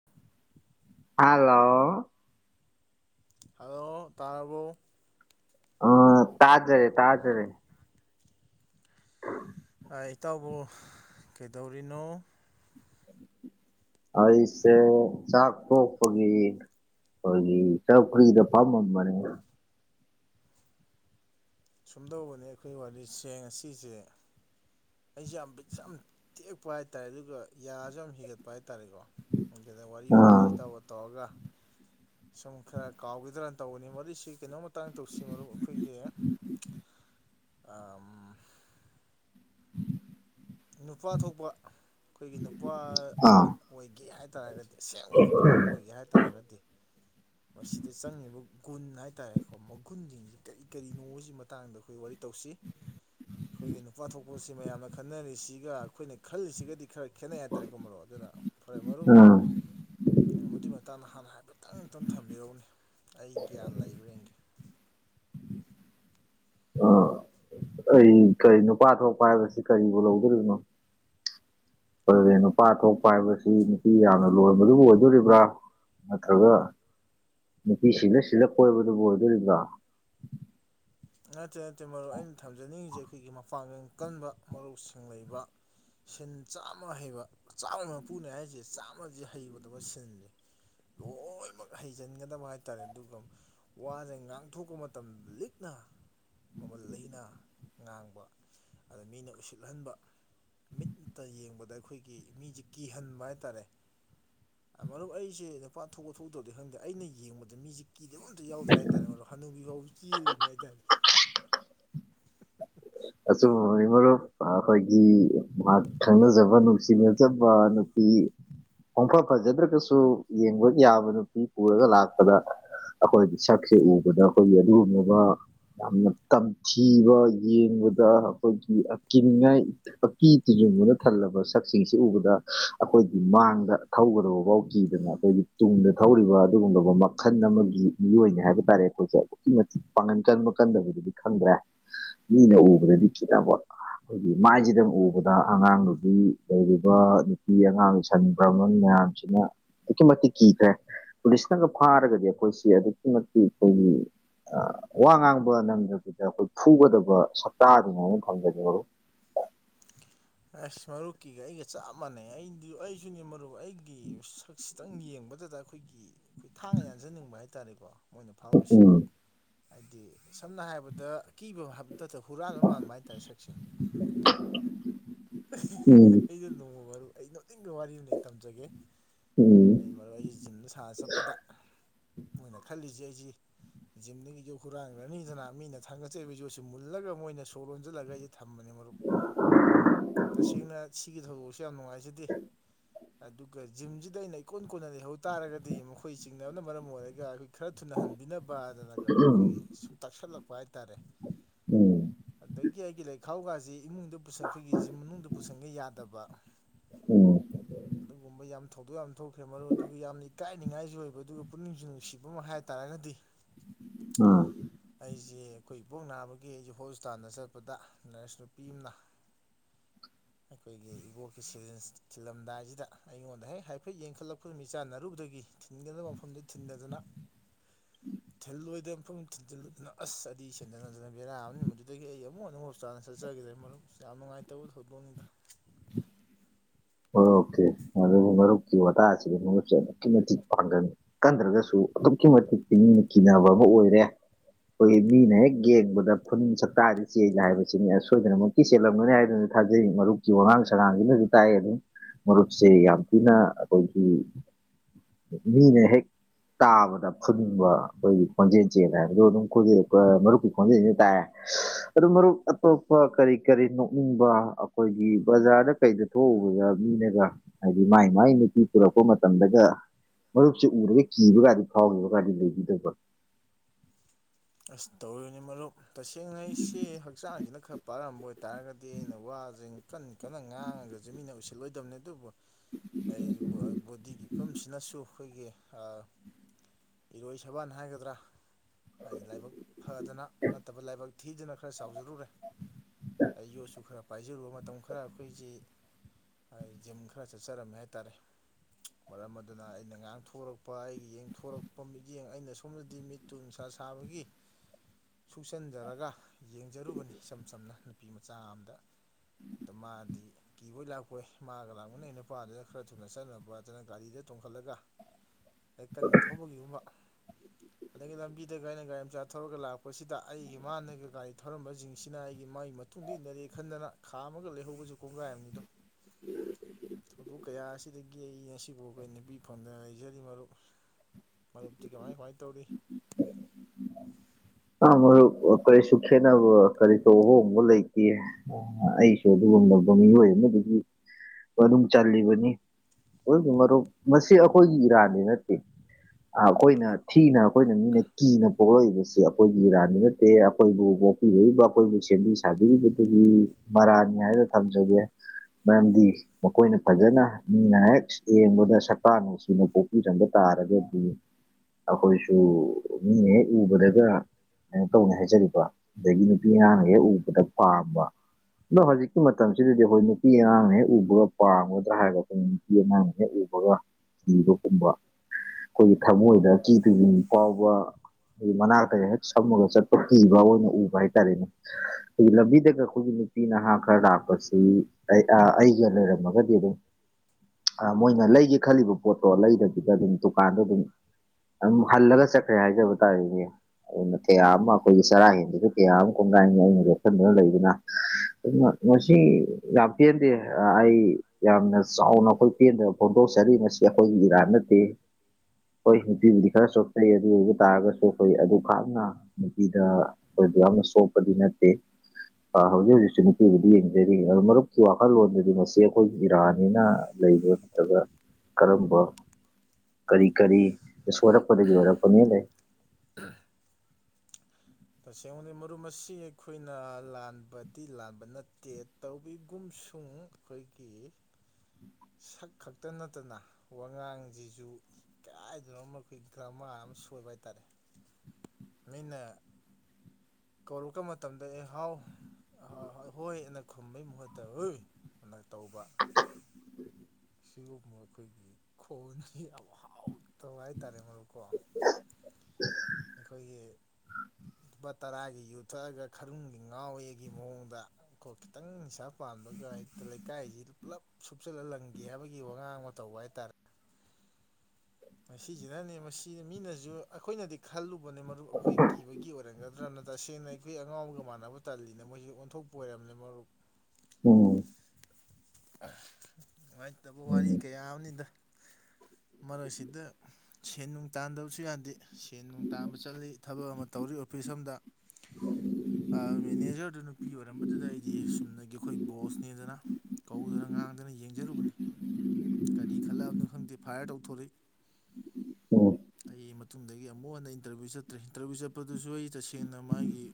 [unintelligible] Hello hello ꯇꯥꯔꯕ‌ꯣ ꯑꯥ ꯇꯥꯗꯔꯦ ꯇꯥꯗꯔꯦ ꯑꯥ ꯏꯇꯥꯎꯕꯨ ꯀꯩꯗꯧꯔꯤꯅꯣ ꯑ ꯑꯩꯁꯦ ꯆꯥꯛꯇ‌ꯣꯛꯄꯒꯤ ꯑꯩꯈ‌ꯣꯏꯒꯤ ꯆꯥꯎꯀꯔꯤꯗ ꯐꯝꯃꯝꯕꯅ‌ꯦ ꯁꯨꯝꯗꯧꯕꯅꯦ ꯑꯩꯈꯣꯏ ꯋꯥꯔꯤꯁꯦ ꯉꯁꯤꯁꯦ ꯑꯩꯁꯦ ꯌꯥꯝ ꯕꯤꯠꯁ‌ꯦ ꯌꯥꯝ ꯇꯦꯛꯄ ꯍꯥꯏꯇꯥꯔꯦ ꯑꯗꯨꯒ ꯌꯥꯁꯨ ꯌꯥꯝ ꯍꯤꯒꯠꯄ ꯍꯥꯏꯇꯥꯔꯦꯀꯣ ꯈꯪꯗꯦꯗ ꯋꯥꯔꯤ ꯋꯥꯇꯥꯏ ꯑꯥ ꯏꯇꯥꯎꯒ ꯇꯧꯔꯒ ꯁꯨꯝ ꯈꯔ ꯀꯥꯎꯒꯤꯗ꯭ꯔꯅ ꯇꯧꯕꯅꯤ ꯋꯥꯔꯤꯁꯤ ꯀꯩꯅꯣ ꯃꯇꯥꯡ ꯇꯧꯁꯤ ꯃꯔꯨꯞ ꯑꯩꯈꯣꯏꯒꯤ ꯑꯥ ꯎꯝ ꯅꯨꯄꯥ ꯊꯣꯛꯄ ꯑꯩꯈꯣꯏꯒꯤ ꯅꯨꯄꯥ ꯑꯃ ꯑꯥ ꯑꯣꯏꯒꯦ ꯍꯥꯏꯇꯥꯔꯒ ꯑꯁꯦꯡꯕ ꯅꯨꯄꯥ ꯑꯃ ꯑꯣꯏꯒꯦ ꯍꯥꯏꯇꯥꯥꯔꯒꯗꯤ ꯃꯁꯤꯗ ꯆꯪꯉꯤꯕ ꯒꯨꯟ ꯍꯥꯏꯇꯥꯔꯦꯀꯣ ꯃꯒꯨꯟꯁꯤꯡꯁꯤ ꯀꯔꯤ ꯀꯔꯤꯅꯣ ꯁꯤ ꯃꯇꯥꯡꯗ ꯑꯩꯈꯣꯏ ꯋꯥꯔꯤ ꯇꯧꯁꯤ [unintelligible] ꯑꯩꯈꯣꯏꯒꯤ ꯅꯨꯄꯥ ꯊꯣꯛꯄꯁꯤ ꯃꯌꯥꯝꯅ ꯈꯟꯅꯔꯤꯁꯤꯒ ꯑꯩꯈꯣꯏꯅ ꯈꯜꯂꯤꯁꯤꯒꯗꯤ ꯈꯔ ꯈꯦꯠꯅꯩ ꯍꯥꯏꯇꯥꯔꯦꯀꯣ ꯃꯔꯨꯞ ꯑꯗꯨꯅ ꯐꯔꯦ ꯃꯔꯨꯞꯅ ꯎꯝ ꯃꯗꯨꯏ ꯃꯇꯥꯡꯗ ꯍꯥꯟꯅ ꯍꯥꯏꯐꯦꯠꯇꯪ ꯑꯝꯇꯪ ꯊꯝꯕꯤꯔꯛꯎꯅ‌ꯦ ꯑꯩ ꯒ꯭ꯌꯥꯟ ꯂꯩꯕ꯭ꯔ ꯌ‌ꯦꯡꯒꯦ ꯑ ꯑꯩ ꯀꯔꯤ ꯅꯨꯄꯥ ꯊꯣꯛꯄ ꯍꯥꯏꯕꯁꯤ ꯀꯔꯤꯕꯨ ꯂꯧꯗꯣꯔꯤꯕꯅꯣ ꯑꯗꯨꯅ‌ꯦ ꯅꯨꯄꯥ ꯊꯣꯛꯄ ꯍꯥꯏꯕꯁꯤ ꯅꯨꯄꯤ ꯌꯥꯝꯅ ꯂꯣꯟꯕꯗꯨꯕꯨ ꯑꯣꯏꯗꯣꯔꯤꯕ꯭ꯔꯥ ꯅꯠꯇ꯭ꯔꯒ ꯅꯨꯄꯤ ꯁꯤꯜꯂ ꯁꯤꯜꯂ ꯀꯣꯏꯕꯗꯨꯕꯨ ꯑꯣꯏꯗꯣꯔꯤꯕ꯭ꯔꯥ ꯅꯠꯇ‌ꯦ ꯅꯠꯇꯦ ꯃꯔꯨꯞ ꯑꯩꯅ ꯊꯝꯖꯅꯤꯡꯉꯤꯁꯦ ꯑꯩꯈꯣꯏꯒꯤ ꯃꯄꯥꯡꯒꯜ ꯀꯟꯕ ꯃꯔꯧꯁꯤꯡ ꯂꯩꯕ ꯁꯤꯟ ꯆꯥꯝꯃ ꯍꯩꯕ ꯆꯥꯝꯃ ꯃꯥꯄꯨꯅꯦ ꯍꯥꯏꯔꯤꯁꯦ ꯆꯥꯝꯃꯁꯦ ꯍꯩꯒꯗꯕ ꯁꯤꯟꯁ‌ꯦ ꯂꯣꯏꯅꯃꯛ ꯍꯩꯖꯤꯟꯒꯗꯕ ꯍꯥꯏꯇꯥꯔꯦ ꯑꯗꯨꯒ ꯋꯥꯁꯦ ꯉꯥꯡꯊꯣꯛꯄ ꯃꯇꯝꯗꯗꯤ ꯂꯤꯛꯅꯥ ꯃꯃꯜ ꯂꯩꯅ ꯉꯥꯡꯕ ꯑꯗ ꯃꯤꯅ ꯎꯁꯤꯠꯍꯟꯕ ꯃꯤꯠꯇ ꯌꯦꯡꯕꯗ ꯑꯩꯈꯣꯏꯒꯤ ꯃꯤꯁꯦ ꯀꯤꯍꯟꯕ ꯍꯥꯏ ꯇꯥꯔꯦ ꯑꯥ ꯃꯔꯨꯞ ꯑꯩꯁꯦ ꯅꯨꯄꯥ ꯊꯣꯛꯄ ꯊꯣꯛꯇꯧꯗꯤ ꯈꯪꯗꯦ ꯑꯩꯅ ꯌꯦꯡꯕꯗ ꯃꯤꯁꯦ ꯀꯤꯗꯕ ꯑꯝꯇ ꯌꯥꯎꯗ꯭ꯔꯦ ꯇꯥꯔꯦ ꯃꯔꯨꯞ ꯍꯟꯅꯨꯕꯤ ꯐꯥꯎꯕ ꯆꯦꯜꯂꯤꯅꯦ ꯍꯥꯏꯇꯥꯔꯦ ꯑꯆꯨꯝꯕꯃꯛꯅꯤ ꯃꯔꯨꯞ ꯑꯩꯈꯣꯏꯒꯤ ꯃꯍꯥꯛ ꯈꯪꯅꯖꯕ ꯅꯨꯡꯁꯤꯅꯖꯕ ꯅꯨ ꯄꯨꯡꯐ ꯐꯖꯗ꯭ꯔꯒꯁꯨ ꯌꯦꯡꯕ ꯌꯥꯕ ꯅꯨꯄꯤ ꯄꯨꯔꯒ ꯂꯥꯛꯄꯗ ꯑꯩꯈꯣꯏꯒꯤ ꯁꯛꯁꯦ ꯎꯕꯗ ꯑꯩꯈꯣꯏꯒꯤ ꯑꯗꯨꯒꯨꯝꯂꯕ ꯌꯥꯝꯅ ꯇꯝꯊꯤꯕ ꯌꯦꯡꯕꯗ ꯑꯩꯈꯣꯏꯒꯤ ꯑꯀꯤꯅꯤꯡꯉꯥꯏ ꯑꯀꯤ ꯇꯤꯖꯨꯡꯕꯅ ꯊꯜꯂꯕ ꯁꯛꯁꯤꯡꯁꯤ ꯎꯕꯗ ꯑꯩꯈꯣꯏꯒꯤ ꯃꯥꯡꯗ ꯊꯧꯒꯗꯕꯐꯥꯎ ꯀꯤꯗꯅ ꯑꯩꯈꯣꯏꯒꯤ ꯇꯨꯡꯗ ꯊꯧꯔꯤꯕ ꯑꯗꯨꯒꯨꯝꯂꯕ ꯃꯈꯜ ꯑꯃꯒꯤ ꯃꯤꯑꯣꯏꯅꯤ ꯍꯥꯏꯕ ꯇꯥꯔꯦ ꯑꯩꯈꯣꯏꯁꯦ ꯃꯄꯥꯡꯒꯟ ꯀꯟꯕ ꯀꯟꯗꯕꯗꯨꯗꯤ ꯈꯪꯗ꯭ꯔꯦ ꯃꯤꯅ ꯎꯕꯗꯗꯤ ꯀꯤꯅꯕ ꯑꯩꯈꯣꯏꯒꯤ ꯃꯥꯏꯁꯤꯗꯪ ꯎꯕꯗ ꯑꯉꯥꯡꯗꯨꯒꯤ ꯂꯩꯔꯤꯕ ꯅꯨꯄꯤ ꯑꯉꯥꯡꯗꯨ ꯁꯟ ꯕ꯭ꯔꯃꯟ ꯃꯌꯥꯝ ꯁꯤꯅ ꯑꯗꯨꯛ ꯀꯤ ꯃꯥꯇꯤꯛ ꯀꯤꯈꯔꯦ ꯄꯨꯂꯤꯁꯅꯒ ꯐꯥꯔꯒꯗꯤ ꯑꯩꯈꯣꯏꯁꯤ ꯑꯗꯨꯛꯀꯤ ꯃꯇꯤꯛ ꯑꯩꯈꯣꯏꯒꯤ ꯋꯥ ꯉꯥꯡꯕ ꯅꯡꯗꯕꯤꯗ ꯑꯩꯈꯣꯏ ꯐꯨꯒꯗꯕ ꯁꯛꯇꯥ ꯑꯗꯨꯃꯥꯏꯅ ꯐꯪꯕꯁꯦ ꯃꯔꯨꯞ ꯑꯁ ꯃꯔꯨꯞꯀꯤꯒ ꯑꯩꯒ ꯆꯞ ꯃꯥꯟꯅꯩ ꯑꯩꯗꯤ ꯑꯩꯁꯨꯅꯦ ꯃꯔꯨꯞ ꯑꯩꯒꯤ ꯁꯛ ꯈꯤꯇꯪ ꯌꯦꯡꯕꯗꯗ ꯑꯩꯈꯣꯏꯒꯤ ꯑꯩꯈꯣꯏ ꯊꯥꯡꯅ ꯌꯥꯟꯖꯟꯅꯤꯡꯕ ꯍꯥꯏ ꯇꯥꯔꯦꯀꯣ ꯃꯣꯏꯅ ꯐꯥꯎꯔꯤꯁꯦ ꯎꯝ ꯍꯥꯏꯗꯤ ꯁꯝꯅ ꯍꯥꯏꯔꯕꯗ ꯑꯀꯤꯕ ꯍꯥꯏꯕ ꯅꯠꯇꯅ ꯍꯨꯔꯥꯟꯕ ꯃꯥꯟꯕ ꯍꯥꯏ ꯇꯥꯔꯦ ꯁꯛꯁꯦ ꯎꯝ [unintelligible] ꯑꯩꯁꯨ ꯅꯣꯡꯃ ꯃꯔꯨꯞ ꯑꯩ ꯅꯣꯛꯅꯤꯡꯕ ꯋꯥꯔꯤ ꯑꯃ ꯂꯩ ꯇꯝꯖꯒꯦ ꯎꯝ ꯑꯩ ꯃꯔꯨꯞ ꯑꯩꯁꯤ ꯖꯤꯝꯗ ꯁꯥꯥꯟꯅ ꯆꯠꯄꯗ ꯃꯣꯏꯅ ꯈꯜꯂꯤꯁꯤ ꯑꯩꯁꯤ ꯖꯤꯝꯗꯒꯤ ꯌꯣꯠ ꯍꯨꯔꯥꯟꯈꯔꯅꯤꯗꯅ ꯃꯤꯅ ꯊꯥꯡꯒꯠꯆꯔꯤꯕ ꯌꯨꯠꯁꯤ ꯃꯨꯜꯂꯒ ꯃꯣꯏꯅ ꯁꯣ ꯂꯣꯟꯁꯤꯜꯂꯒ ꯑꯩꯁꯦ ꯊꯝꯕꯅꯦ ꯃꯔꯨꯞ ꯇꯁꯦꯡꯅ ꯁꯤꯒꯤ ꯊꯧꯗꯣꯛꯁꯤ ꯌꯥꯝ ꯅꯨꯡꯉꯥꯏꯖꯗꯦ ꯑꯗꯨꯒ ꯖꯤꯝꯁꯤꯗ ꯑꯩꯅ ꯏꯀꯣꯟ ꯀꯣꯟꯅ ꯂꯩꯍꯧ ꯇꯥꯔꯒꯗꯤ ꯃꯈꯣꯏ ꯆꯤꯡꯅꯕꯅ ꯃꯔꯝ ꯑꯣꯏꯔꯒ ꯑꯩ ꯈꯔ ꯊꯨꯅ ꯍꯟꯕꯤꯅꯕ ꯅꯨꯄꯥꯗꯨꯅ ꯑꯩꯈꯣꯏꯒꯤ ꯁꯨꯝ ꯇꯛꯁꯜꯂꯛꯄ ꯍꯥꯏꯇꯥꯔꯦ ꯎꯝ ꯑꯗꯒꯤ ꯑꯩꯒꯤ ꯂꯥꯏꯈꯥꯎꯒꯁꯤ ꯏꯃꯨꯡꯗ ꯄꯨꯁꯟ ꯑꯩꯈꯣꯏꯒꯤ ꯖꯤꯝ ꯃꯅꯨꯡꯗ ꯄꯨꯁꯟꯒꯦ ꯌꯥꯗꯕ ꯎꯝ ꯍꯣꯏ [unintelligible] ꯑꯗꯨꯒꯨꯝꯕ ꯌꯥꯝ ꯊꯧꯗꯣꯛ ꯌꯥꯝ ꯊꯣꯛꯈ꯭ꯔꯦ ꯃꯔꯨꯞ ꯑꯗꯨꯒ ꯌꯥꯝꯅ ꯏꯀꯥꯏꯅꯤꯡꯉꯥꯏꯁꯨ ꯑꯣꯏꯕ ꯑꯗꯨꯒ ꯄꯨꯛꯅꯤꯡꯁꯨ ꯅꯨꯡꯁꯤꯕ ꯑꯃ ꯍꯥꯏꯇꯥꯥꯔꯒꯗꯤ ꯎꯝ ꯑꯩꯁꯦ ꯑꯩꯈꯣꯏ ꯏꯕꯣꯛ ꯅꯥꯕꯒꯤ ꯑꯩꯁꯦ ꯍꯣꯁꯄꯤꯇꯥꯜꯗ ꯆꯠꯄꯗ ꯅꯔ꯭ꯁ ꯅꯨꯄꯤ ꯑꯃꯅ ꯑꯩꯈꯣꯏꯒꯤ ꯏꯕꯣꯛꯀꯤ ꯁꯤꯔꯤꯟ꯭ꯁ ꯊꯤꯜꯂꯝꯗꯥꯏꯁꯤꯗ ꯑꯩꯉꯣꯟꯗ ꯍꯦꯛ ꯍꯥꯏꯐꯦꯠ ꯌꯦꯡꯈꯠꯂꯛꯄ ꯃꯤꯠ ꯆꯥꯟꯅꯔꯨꯕꯗꯒꯤ ꯊꯤꯟꯒꯗꯕ ꯃꯐꯝꯗꯨ ꯊꯤꯟꯗꯗꯅ ꯊꯤꯜꯂꯣꯏꯗꯕ ꯃꯐꯝ ꯊꯤꯟꯖꯤꯜꯂꯨꯗꯅ ꯑꯁ ꯑꯗꯨꯏ ꯁꯤꯟꯗꯨ ꯕꯦꯔꯥ ꯑꯃꯅꯤ ꯃꯗꯨꯗꯒꯤ ꯑꯩ ꯑꯃꯨꯛ ꯍꯟꯅ ꯍꯣꯁꯄꯤ ꯇꯥꯜꯗ ꯆꯠꯆꯈꯤꯗꯔꯦ ꯃꯔꯨꯞ ꯌꯥꯝ ꯅꯨꯡꯉꯥꯏꯇꯕ ꯊꯧꯗꯣꯛꯅꯤꯗ ꯑꯣ ꯑꯣꯀꯦ ꯑꯗꯨꯕꯨ ꯃꯔꯨꯞꯀꯤ ꯋꯥꯇꯥ ꯑꯁꯤꯗꯤ ꯃꯁꯦ ꯑꯗꯨꯛꯀꯤ ꯃꯇꯤꯛ ꯄꯥꯡꯒꯜ ꯀꯟꯗ꯭ꯔꯒꯁꯨ ꯑꯗꯨꯛꯀꯤ ꯃꯇꯤꯛ ꯃꯤꯅꯥ ꯀꯤꯅꯥꯕꯥ ꯑꯃ ꯑꯣꯏꯔꯦ ꯑꯩꯈꯣꯏꯒꯤ ꯃꯤꯅ ꯍꯦꯛ ꯌꯦꯡꯕꯗ ꯐꯨꯅꯤꯡ ꯁꯛꯇꯥ ꯆꯦꯟꯂꯤ ꯍꯥꯏꯕꯁꯤꯅꯤ ꯁꯣꯏꯗꯅꯃꯛꯀꯤ ꯆꯦꯜꯂꯝꯒꯅꯤ ꯍꯥꯏꯗꯅ ꯊꯥꯖꯩ ꯃꯔꯨꯞꯀꯤ ꯋꯥꯉꯥꯡ ꯁꯉꯥꯡꯁꯤꯅꯁꯨ ꯇꯥꯛꯑꯦ ꯑꯗꯨꯝ ꯃꯔꯨꯞꯁꯦ ꯌꯥꯝ ꯊꯤꯅ ꯑꯩꯈꯣꯏꯒꯤ ꯃꯤꯅ ꯍꯦꯛ ꯇꯥꯕꯗ ꯐꯨꯅꯤꯡꯕ ꯑꯩꯈꯣꯏꯒꯤ ꯈꯣꯟꯖꯦꯜ ꯆꯦꯜꯂꯦ ꯍꯥꯏꯕꯗꯣ ꯑꯗꯨꯝ ꯑꯩꯈꯣꯏꯒꯤ ꯃꯔꯨꯞꯀꯤ ꯈꯣꯟꯖꯦꯜꯁꯤꯅ ꯇꯥꯔꯦ [unintelligible] ꯑꯗꯨ ꯃꯔꯨꯞ ꯑꯇꯣꯞꯄ ꯀꯔꯤ ꯀꯔꯤ ꯅꯣꯛꯅꯤꯡꯕ ꯑꯩꯈꯣꯏꯒꯤ ꯕꯖꯥꯔꯗ ꯀꯩꯗ ꯊꯣꯛꯎꯕ ꯃꯤꯅꯒ ꯍꯥꯏꯗꯤ ꯃꯥꯏ ꯃꯥꯏ ꯅꯨꯄꯤ ꯄꯨꯔꯛꯄ ꯃꯇꯝꯗꯒ ꯃꯔꯨꯞꯁꯦ ꯎꯔꯒ ꯀꯤꯕꯒꯗꯤ ꯐꯥꯎꯈꯤꯕꯒꯗꯤ ꯂꯩꯕꯤꯗꯕ꯭ꯔ ꯑꯁ ꯇꯧꯔꯨꯅꯤ ꯃꯔꯨꯞ ꯇꯁꯦꯡꯅ ꯑꯩꯁꯤ ꯍꯛꯆꯥꯡꯁꯤꯅ ꯈꯔ ꯄꯥꯔꯝꯕ ꯑꯣꯏ ꯇꯥꯔꯒꯗꯤ ꯑꯩꯅ ꯋꯥꯁꯤ ꯀꯟꯅ ꯀꯟꯅ ꯉꯥꯡꯉꯒꯁꯨ ꯃꯤꯅ ꯎꯠꯁꯤꯠ ꯂꯣꯏꯗꯕꯅꯤ ꯑꯗꯨꯕꯨ ꯑꯩꯁꯨ ꯕꯣꯗꯤꯒꯤ ꯐꯤꯕꯝꯁꯤꯅꯁꯨ ꯑꯩꯈꯣꯏꯒꯤ ꯏꯔꯣꯏ ꯁꯕꯥꯟ ꯍꯥꯏꯒꯗ꯭ꯔ ꯍꯥꯏꯗꯤ ꯂꯥꯏꯕꯛ ꯐꯗꯅ ꯅꯠꯇꯕ ꯂꯥꯏꯕꯛ ꯊꯤꯗꯅ ꯈꯔ ꯆꯥꯎꯖꯔꯨꯔꯦ ꯑꯩ ꯌꯣꯠꯁꯨ ꯈꯔ ꯄꯥꯏꯖꯔꯨꯕ ꯃꯇꯝ ꯈꯔ ꯑꯩꯈꯣꯏꯁꯤ ꯑꯩ ꯖꯤꯝ ꯈꯔ ꯆꯠꯆꯔꯝꯃꯦ ꯍꯥꯏꯇꯥꯔꯦ ꯃꯔꯝ ꯑꯗꯨꯅ ꯑꯩꯅ ꯉꯥꯡꯊꯣꯔꯛꯄ ꯑꯩꯒꯤ ꯌꯦꯡꯊꯣꯔꯛꯄ ꯃꯤꯠꯌꯦꯡ ꯑꯩꯅ ꯁꯣꯝꯗꯗꯤ ꯃꯤꯠ ꯇꯨ ꯅꯨꯡꯁꯥ ꯁꯥꯕꯒꯤ ꯁꯨꯁꯟꯖꯔꯒ ꯌꯦꯡꯖꯔꯨꯕꯅꯤ ꯏꯆꯝ ꯆꯝꯅ ꯅꯨꯄꯤ ꯃꯆꯥ ꯑꯝꯗ ꯑꯗꯨ ꯃꯥꯗꯤ ꯀꯤꯕꯣꯏ ꯂꯥꯛꯄꯣꯏ ꯃꯥꯒ ꯂꯥꯛꯄꯅ ꯑꯩ ꯅꯨꯄꯥꯗꯨꯅ ꯈꯔ ꯊꯨꯅ ꯆꯠꯅꯕ ꯑꯗꯨꯅ ꯒꯥꯔꯤꯗ ꯇꯣꯡꯈꯠꯂꯒ ꯀꯟꯅ ꯊꯧꯕꯒꯤꯒꯨꯝꯕ ꯑꯗꯒꯤ ꯂꯝꯕꯤ ꯁꯤꯗꯒꯥꯏꯅ ꯒꯥꯔꯤ ꯃꯆꯥ ꯊꯧꯔꯒ ꯂꯥꯛꯄꯁꯤꯗ ꯑꯩꯒꯤ ꯃꯥꯅꯒ ꯒꯥꯔꯤ ꯊꯧꯔꯝꯕꯁꯤꯡꯁꯤꯅ ꯑꯩꯒꯤ ꯃꯥꯒꯤ ꯇꯨꯡꯗꯤꯟꯅꯔꯦ ꯈꯟꯗꯅ ꯈꯥꯝ ꯑꯃꯒ ꯂꯩꯍꯧꯕꯁꯨ ꯀꯣꯡꯒ꯭ꯔꯥꯏꯝꯅꯤꯗꯣ ꯎꯝ ꯊꯧꯗꯣꯛ ꯀꯌꯥ ꯑꯁꯤꯗꯒꯤ ꯑꯩ ꯉꯁꯤꯕꯨ ꯑꯩꯈꯣꯏ ꯅꯨꯄꯤ ꯐꯝꯗꯅ ꯂꯩꯖꯔꯤ ꯃꯔꯨꯞ ꯃꯔꯨꯞꯇꯤ ꯀꯃꯥꯏ ꯀꯃꯥꯏ ꯇꯧꯔꯤ ꯑ ꯃꯔꯨꯞ ꯀꯔꯤꯁꯨ ꯈꯦꯠꯅꯕ ꯀꯔꯤꯁꯨ ꯑꯍꯣꯡꯕ ꯂꯩꯇꯦ ꯑꯩꯁꯨ ꯑꯗꯨꯒꯨꯝꯗꯧꯕ ꯃꯤꯑꯣꯏ ꯑꯃ ꯃꯅꯨꯡ ꯆꯜꯂꯤꯕꯅꯤꯒꯤ ꯃꯔꯨꯞ ꯃꯁꯤ ꯑꯩꯈꯣꯏꯒꯤ ꯏꯔꯥꯟꯗꯤ ꯅꯠꯇꯦ ꯑꯩꯈꯣꯏꯅ ꯊꯤꯅ ꯑꯩꯈꯣꯏꯅ ꯃꯤꯅ ꯀꯤꯅ ꯄꯣꯛꯂꯛꯏꯕꯁꯦ ꯑꯩꯈꯣꯏꯒꯤ ꯏꯔꯥꯟꯗꯤ ꯅꯠꯇꯦ ꯑꯩꯈꯣꯏꯕꯨ ꯑꯣꯣꯛꯄꯤꯔꯛꯔꯤꯕ ꯑꯩꯈꯣꯏꯕꯨ ꯁꯦꯝꯕꯤ ꯁꯥꯕꯤꯔꯤꯕꯗꯨꯒꯤ ꯃꯔꯥꯅꯤ ꯍꯥꯏꯅ ꯊꯝꯖꯒꯦ ꯃꯔꯝꯗꯤ ꯃꯈꯣꯏꯅ ꯐꯖꯅ ꯃꯤꯅ ꯍꯦꯛ ꯌꯦꯡꯕꯗ ꯁꯇꯥ ꯅꯨꯡꯁꯤꯅ ꯄꯣꯛꯄꯤ ꯆꯟꯕ ꯇꯥꯔꯒꯗꯤ ꯑꯩꯈꯣꯏꯁꯨ ꯃꯤꯅ ꯍꯦꯛ ꯎꯕꯗꯒ ꯀꯩꯅꯣ ꯇꯧꯅꯤ ꯍꯥꯏꯖꯔꯤꯕ ꯑꯗꯒꯤ ꯅꯨꯄꯤ ꯑꯉꯥꯡꯅꯉꯦ ꯎꯕꯗ ꯄꯥꯝꯕ ꯑꯗꯣ ꯍꯧꯖꯤꯛꯀꯤ ꯃꯇꯝꯁꯤꯗꯗꯤ ꯑꯩꯈꯣꯏ ꯅꯨꯄꯤ ꯑꯉꯥꯡꯅ ꯍꯦꯛ ꯎꯕꯒ ꯄꯥꯝꯒꯗ꯭ꯔꯥ ꯍꯥꯏꯕ ꯑꯩꯈꯣꯏ ꯌꯦ ꯑꯉꯥꯡ ꯍꯦꯛ ꯎꯕꯒ ꯀꯤꯕꯒꯨꯝꯕ ꯑꯩꯈꯣꯏꯒꯤ ꯊꯃꯣꯏꯗ ꯀꯤ ꯇꯨꯒꯤ ꯀꯥꯎꯕ ꯑꯗꯒꯤ ꯃꯅꯥꯛꯇꯒ ꯍ‌ꯦꯛ ꯁꯝꯃꯒ ꯆꯠꯄ ꯀꯤꯕ ꯑꯣꯏꯅ ꯎꯕ ꯍꯥꯏꯇꯥꯔꯦꯅꯦ ꯑꯩꯈꯒꯤ ꯂꯝꯕꯤꯗꯒ ꯑꯩꯈꯣꯏꯒꯤ ꯅꯨꯄꯤ ꯅꯍꯥ ꯈꯔ ꯂꯥꯛꯄꯁꯤ ꯑꯩ ꯑꯩꯒ ꯂꯩꯔꯝꯃꯒꯗꯤ ꯑꯗꯨꯝ ꯑ ꯃꯣꯏꯅ ꯂꯩꯒꯦ ꯈꯜꯂꯤꯕ ꯄꯣꯠꯇꯣ ꯂꯩꯗꯕꯤꯗ ꯑꯗꯨꯝ ꯗꯨꯀꯥꯟꯗ ꯑꯗꯨꯝ ꯑꯗꯨꯝ ꯍꯜꯂꯒ ꯆꯠꯈ꯭ꯔꯦ ꯍꯥꯏꯖꯕ ꯇꯥꯔꯦꯅꯦ ꯑꯗꯨꯅ ꯀꯌꯥ ꯑꯃ ꯑꯩꯈꯣꯏꯒꯤ ꯆꯔꯥ ꯍꯦꯟꯕꯗꯨ ꯀꯌꯥ ꯑꯃ ꯀꯣꯡꯒꯥꯡꯅꯤ ꯑꯩꯅ ꯂꯦꯁꯤꯟꯗꯨꯅ ꯂꯩꯕꯅ [unintelligible] ꯑꯗꯨ ꯃꯁꯤ ꯌꯥꯝ ꯄꯦꯟꯗꯦ ꯑꯩ ꯌꯥꯝꯅ ꯆꯥꯎꯅ ꯑꯩꯈꯣꯏ ꯄꯦꯟꯗꯕ ꯐꯣꯡꯗꯣꯛꯆꯔꯤ ꯃꯁꯤ ꯑꯩꯈꯣꯏꯒꯤ ꯏꯔꯥꯟ ꯅꯠꯇꯦ ꯍꯣꯏ ꯎꯇꯤꯕꯨꯗꯤ ꯈꯔ ꯆꯣꯛꯆꯩ ꯑꯗꯨ ꯑꯣꯏꯕ ꯇꯥꯔꯒꯁꯨ ꯑꯩꯈꯣꯏ ꯑꯗꯨ ꯀꯅ ꯅꯨꯄꯤꯗ ꯑꯩꯈꯣꯏ ꯑꯗꯨꯛ ꯌꯥꯝꯅ ꯆꯣꯞꯄꯗꯤ ꯅꯠꯇꯦ ꯑ ꯍꯧꯖꯤꯛ ꯍꯧꯖꯤꯛꯁꯨ ꯅꯨꯄꯤꯕꯨꯗꯤ ꯌꯦꯡꯖꯔꯤ ꯃꯔꯨꯞꯛꯀꯤ ꯋꯥꯈꯜꯂꯣꯟꯗꯗꯤ ꯃꯁꯦ ꯑꯩꯈꯣꯏꯒꯤ ꯏꯔꯥꯅꯤꯅ ꯂꯩꯕ ꯅꯠꯇꯒ ꯀꯔꯝꯕ ꯀꯔꯤ ꯀꯔꯤ ꯁꯣꯏꯔꯛꯄꯗꯒꯤ ꯑꯣꯏꯔꯛꯄꯅꯦ ꯂꯩ [unintelligible] ꯇꯁꯦꯡꯕꯗꯤ ꯃꯔꯨꯝ ꯃꯁꯤ ꯑꯩꯈꯣꯏꯅ ꯂꯥꯟꯕꯗꯤ ꯂꯥꯟꯕ ꯅꯠꯇꯦ ꯇꯧꯋꯤꯒꯨꯝꯁꯨ ꯑꯩꯈꯣꯏꯒꯤ ꯁꯛ ꯈꯛꯇ ꯅꯠꯇꯅ ꯋꯥꯉꯥꯡꯖꯤꯖꯨ ꯀꯔꯥꯏꯗꯅꯣꯃ ꯑꯩꯈꯣꯏ ꯒ꯭ꯔꯥꯃꯥ ꯑꯃ ꯁꯣꯏꯕ ꯍꯥꯏꯇꯥꯔꯦ ꯃꯤꯅ ꯀꯧꯔꯛꯄ ꯃꯇꯝꯗ ꯑꯦ ꯍꯥꯎ ꯑ ꯍꯣꯏ ꯑꯅ ꯈꯨꯝꯕꯩ ꯃꯍꯨꯠꯇ ꯍꯨꯏ ꯅ ꯇꯧꯕ ꯁꯤꯒꯨꯝꯕ ꯑꯩꯈꯣꯏꯒꯤ ꯈꯣꯟꯁꯤ ꯌꯥꯝ ꯍꯥꯎꯇꯕ ꯍꯥꯏꯇꯥꯔꯦ ꯃꯔꯨꯞꯀꯣ ꯑꯩꯈꯣꯏꯒꯤ ꯂꯨꯄꯥ ꯇꯔꯥꯒꯤ ꯌꯨ ꯊꯛꯑꯒ ꯈꯔꯨꯡꯗꯤ ꯉꯥꯎꯋꯦꯒꯤ ꯃꯑꯣꯡꯗ ꯀꯣ ꯈꯤꯇꯪ ꯅꯤꯁꯥ ꯄꯥꯟꯕꯒ ꯍꯦꯛꯇ ꯂꯩꯀꯥꯏꯁꯤ ꯄꯨꯂꯞ ꯁꯨꯞꯆꯜꯂ ꯂꯪꯒꯦ ꯍꯥꯏꯕꯒꯤ ꯋꯥꯉꯥꯡ ꯇꯧꯕ ꯍꯥꯏꯇꯥꯔꯦ꯫ ꯃꯁꯤꯁꯤꯅꯅꯦ ꯃꯁꯤ ꯃꯤꯅꯖꯨ ꯑꯩꯈꯣꯏꯅꯗꯤ ꯈꯜꯂꯨꯕꯅꯦ ꯃꯔꯨꯞ ꯑꯩꯈꯣꯏ ꯀꯤꯕꯒꯤ ꯑꯣꯏꯔꯝꯒꯗ꯭ꯔꯥꯅ ꯇꯁꯦꯡꯅ꯫ ꯃꯤ ꯑꯉꯥꯎꯕꯒ ꯃꯥꯟꯅꯕ ꯇꯜꯂꯤꯅ ꯃꯣꯏꯁꯤ ꯑꯣꯟꯊꯣꯛꯄ ꯑꯣꯏꯔꯝꯃꯦ ꯃꯔꯨꯞ꯫ ꯎꯝ꯫ ꯅꯨꯡꯉꯥꯏꯇꯕ ꯎꯝ ꯋꯥꯔꯤ ꯀꯌꯥ ꯑꯝꯅꯤꯗ꯫ ꯃꯔꯛꯁꯤꯗ ꯁꯦꯟ ꯅꯨꯡ ꯇꯥꯟꯗꯕꯁꯨ ꯌꯥꯗꯦ ꯁꯦꯟ ꯅꯨꯡ ꯇꯥꯟꯕ ꯆꯠꯂꯤ ꯊꯕꯛ ꯑꯃ ꯇꯧꯔꯤ ꯑꯣꯐꯤꯁ ꯑꯝꯗ ꯃꯦꯅꯦꯖꯔꯗꯨ ꯅꯨꯄꯤ ꯑꯣꯏꯔꯝꯕꯗꯨꯗ ꯑꯩꯗꯤ ꯁꯨꯝꯅꯒꯤ ꯑꯩꯈꯣꯏ ꯕꯣꯁꯅꯦꯗꯅ ꯀꯧꯗꯅ ꯉꯥꯡꯗꯅ ꯌꯦꯡꯖꯔꯨꯕꯅꯤ ꯀꯔꯤ ꯈꯜꯂꯑꯕꯅꯣ ꯈꯪꯗꯦ ꯐꯥ꯭ꯌꯔ ꯇꯧꯊꯣꯔꯛꯏ꯫ ꯎꯝ ꯑꯩ ꯃꯇꯨꯡꯗꯒꯤ ꯑꯃꯨꯛ ꯍꯟꯅ ꯏꯟꯇꯔꯚ꯭ꯌꯨ ꯆꯠꯇ꯭ꯔꯦ ꯏꯟꯇꯔꯚ꯭ꯌꯨ ꯆꯠꯄꯗꯨꯁꯨ ꯑꯩ ꯇꯁꯦꯡꯅ ꯃꯥꯒꯤ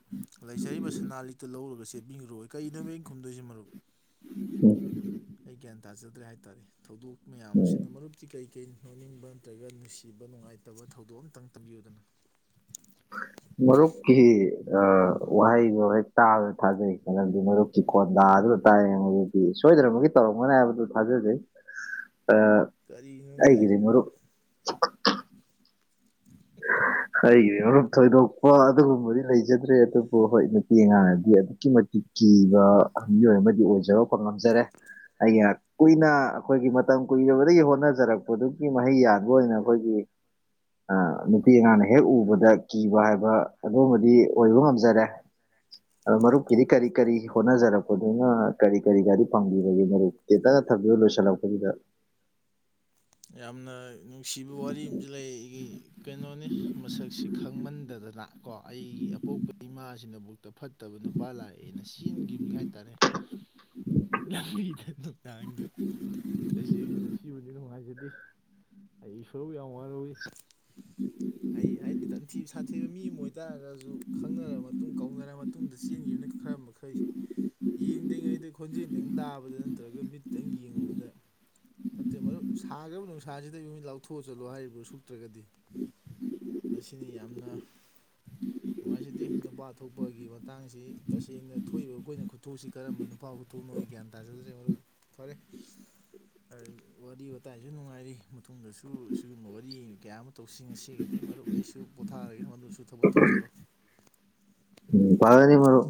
ꯂꯩꯖꯔꯤꯕ ꯁꯅꯥ ꯂꯤꯛꯇ ꯂꯧꯔꯒ ꯆꯦꯟꯕꯤꯈ꯭ꯔꯣꯏ ꯀꯔꯤꯅꯣꯕ ꯑꯩꯟ ꯈꯨꯝꯗꯣꯏꯁꯤ ꯃꯔꯨꯞ ꯎꯝ꯫ ꯑꯩ ꯒ꯭ꯌꯥꯟ ꯇꯥꯖꯗ꯭ꯔꯦ ꯍꯥꯏꯇꯥꯥꯔꯦ ꯊꯧꯗꯣꯛ ꯃꯌꯥꯝ ꯎꯝ ꯑꯁꯤꯅ ꯃꯔꯨꯞꯇꯤ ꯀꯔꯤ ꯀꯔꯤ ꯅꯣꯛꯅꯤꯡꯕ ꯅꯠꯇ꯭ꯔꯒ ꯅꯨꯡꯁꯤꯕ ꯅꯨꯡꯉꯥꯏꯇꯕ ꯊꯧꯗꯣꯛ ꯑꯃꯇꯪ ꯇꯝꯕꯤꯌꯨꯗꯅ꯫ ꯃꯔꯨꯞꯀꯤ ꯑ ꯋꯥꯍꯩꯗꯣ ꯍꯦꯛ ꯇꯥꯕꯗ ꯊꯥꯖꯩ ꯃꯔꯝꯗꯤ ꯃꯔꯨꯞ ꯀꯣꯟꯗꯥ ꯗꯨꯗ ꯇꯥꯛꯑꯦ ꯍꯥꯏꯗꯤ ꯁꯣꯏꯗꯅꯃꯛꯀꯤ ꯇꯧꯔꯝꯒꯅꯤ ꯍꯥꯏꯕꯗꯨ ꯊꯥꯖꯖꯩ꯫ ꯑ꯫ ꯀꯔꯤꯅꯣꯅꯦ ꯍꯥꯏꯖꯤ ꯑꯩꯒꯤꯗꯤ ꯃꯔꯨꯞ ꯊꯣꯏꯗꯣꯛꯄ ꯑꯗꯨꯒꯨꯝꯕꯗꯤ ꯂꯩꯖꯗ꯭ꯔꯦ ꯑꯗꯨꯝ꯫ ꯍꯣꯏ ꯍꯣꯏ ꯅꯨꯄꯤ ꯑꯉꯥꯡꯅꯗꯤ ꯑꯗꯨꯛꯀꯤ ꯃꯇꯤꯛ ꯀꯤꯕ ꯃꯤꯑꯣꯏ ꯑꯃꯗꯤ ꯑꯣꯏꯖꯔꯣ ꯐ ꯉꯝꯖꯔꯦ ꯑꯩꯅ ꯀꯨꯏꯅ ꯑꯩꯈꯣꯏꯒꯤ ꯃꯇꯝ ꯀꯨꯏꯕꯗꯒꯤ ꯍꯣꯠꯅꯖꯔꯛ ꯄꯗꯨꯒꯤ ꯃꯍꯩ ꯌꯥꯟꯕ ꯑꯣꯏꯅ ꯑꯩꯈꯣꯏꯒꯤ ꯅꯨꯄꯤ ꯑꯉꯥꯡꯅ ꯍꯦꯛ ꯎꯕꯗ ꯀꯤꯕ ꯍꯥꯏꯕ ꯑꯗꯨꯝꯕꯗꯤ ꯑꯣꯏꯕ ꯉꯝꯖꯔꯦ꯫ ꯃꯔꯨꯞꯀꯤꯗꯤ ꯀꯔꯤ ꯀꯔꯤ ꯍꯣꯠꯅꯖꯔꯛꯄꯅꯤꯅ ꯀꯔꯤ ꯀꯔꯤ ꯒꯥꯔꯤ ꯐꯪꯕꯤꯕꯒꯦ ꯃꯔꯨꯞ꯫ ꯇꯦꯟꯇꯛꯅ ꯊꯝꯕꯤꯌꯨ ꯂꯣꯏꯁꯤꯜꯂꯛꯄꯖꯤꯗ꯫ ꯌꯥꯝꯅ ꯅꯨꯡꯁꯤꯕ ꯋꯥꯔꯤ ꯑꯝꯖꯨ ꯂꯩ ꯑꯩꯒꯤ꯫ ꯀꯩꯅꯣꯅꯤ ꯃꯁꯛꯁꯤ ꯈꯪꯃꯟꯗꯗꯅ꯫ ꯀꯣ ꯑꯩꯒꯤ ꯑꯄꯣꯛꯄ ꯏꯃꯥꯁꯤꯅꯕꯨꯛꯇ ꯐꯠꯇꯕ ꯅꯨꯄꯥ ꯂꯥꯛꯑꯦꯅ ꯆꯦꯟꯒꯤꯕꯅꯤ ꯍꯥꯏꯇꯥꯔꯦ꯫ ꯅꯝꯕꯤꯗ ꯅꯨ ꯇꯥꯡꯗ ꯇꯁꯦꯡꯅ ꯃꯁꯤꯕꯨꯗꯤ ꯅꯨꯡꯉꯥꯏꯖ ꯗꯦ꯫ ꯑꯩ ꯏꯁꯣꯔꯕꯨ ꯌꯥꯝ ꯋꯥꯔꯧꯋꯤ꯫ ꯑꯩ ꯍꯥꯏꯗꯤ ꯇꯊꯤ ꯁꯥꯊꯤꯕ ꯃꯤ ꯑꯃ ꯑꯣꯏꯇꯥꯥꯔꯒꯁꯨ ꯈꯪꯅꯔ ꯃꯇꯨꯡ ꯀꯧꯅꯔ ꯃ ꯇꯨꯡꯗ ꯆꯦꯟꯒꯤꯕꯅ ꯈꯔ ꯃꯈꯩ ꯌꯦꯡꯗ꯭ꯔꯤꯉꯩꯗ ꯈꯣꯟꯖꯦꯜꯗꯪ ꯇꯥꯕꯗ ꯅꯠꯇ꯭ꯔꯒ ꯃꯤꯠꯇꯪ ꯌꯦꯡꯕꯗ꯫ ꯅꯠꯇꯦ ꯃꯔꯨꯞ ꯁꯥꯈ꯭ꯔꯕ ꯅꯨꯡꯁꯥꯁꯤꯗꯩ ꯃꯤꯠ ꯂꯥꯎꯊꯣꯛꯑ ꯆꯠꯂꯣ ꯍꯥꯏꯔꯤꯕ꯭ꯔꯣ ꯁꯨꯛꯇ꯭ꯔꯒꯗꯤ꯫ ꯃꯁꯤꯅꯤ ꯌꯥꯝꯅ꯫ ꯅꯨꯡꯉꯥꯏꯖꯗꯦ ꯅꯨꯄꯥ ꯊꯣꯛꯄꯒꯤ ꯃꯇꯥꯡꯁꯤ ꯇꯁꯦꯡꯅ ꯊꯣꯛꯏꯕ ꯑꯩꯈꯣꯏꯅ ꯈꯨꯠꯊꯣꯛꯁꯤ ꯀꯔꯝꯕ ꯅꯨꯄꯥ ꯇꯨ ꯅꯣꯏ ꯒ꯭ꯌꯥꯟ ꯇꯥꯖꯗ꯭ꯔ‌ꯦ ꯃꯔꯨꯞ ꯐꯔꯦ꯫ ꯋꯥꯔꯤ ꯋꯥꯇꯥꯏꯁꯨ ꯅꯨꯡꯉꯥꯏꯔꯤ ꯃꯇꯨꯡꯗꯁꯨ ꯑꯁꯤꯒꯨꯝꯕ ꯋꯥꯔꯤ ꯀꯌꯥ ꯑꯃ ꯇꯧꯁꯤ ꯉꯁꯤ ꯑꯗꯩ ꯃꯔꯨꯞ ꯑꯩꯁꯨ ꯄꯣꯊꯥꯔꯒꯦ ꯃꯔꯨꯞꯁꯨ ꯊꯕꯛ ꯇꯧꯖꯔꯣ꯫ ꯎꯝ ꯐꯒꯅꯤ ꯃꯔꯨꯞ꯫